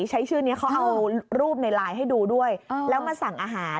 ใช้ชื่อนี้เขาเอารูปในไลน์ให้ดูด้วยแล้วมาสั่งอาหาร